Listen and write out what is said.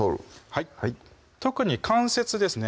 はい特に関節ですね